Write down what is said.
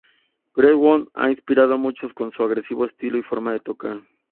Greenwood ha inspirado a muchos con su agresivo estilo y forma de tocar.